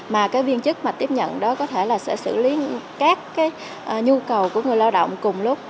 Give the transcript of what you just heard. mà viên chức tiếp nhận đó có thể sẽ xử lý các nhu cầu của người lao động cùng lúc